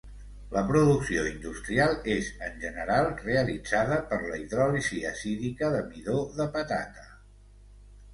La producció industrial és, en general, realitzada per la hidròlisi acídica de midó de patata.